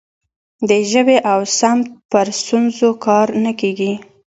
د ژبې او سمت پر ستونزو کار نه کیږي.